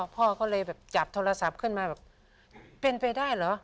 พ่อก็เลยแบบจับโทรศัพท์ขึ้นมาแบบเป็นไปได้เหรอ